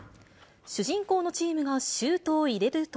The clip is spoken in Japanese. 主人公のチームがシュートを入れると。